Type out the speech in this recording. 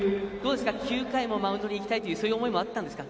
９回もマウンドに行きたいというそういう気持ちもあったんですか。